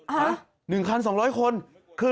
ห้ะใช้กว่านี้อะ๑คัน๒๐๐คน